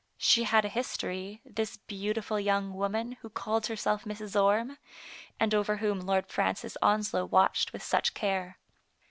She had a history, this beautiful young woman who called herself Mrs. Orme, and over whom Lord Francis Onslow watched with such care.